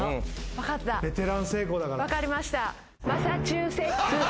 分かりました。